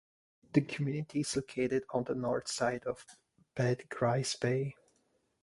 The community is located on the north side of Bete Grise Bay.